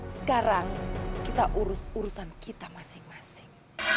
sekarang kita urus urusan kita masing masing